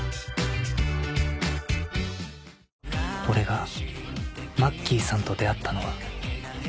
俺がマッキーさんと出会ったのは。